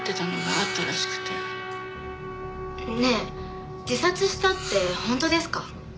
ねえ自殺したって本当ですか？